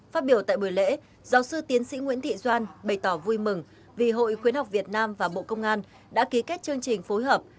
phát biểu tại buổi lễ giáo sư tiến sĩ nguyễn thị doan bày tỏ vui mừng vì hội khuyến học việt nam và bộ công an đã ký kết chương trình phối hợp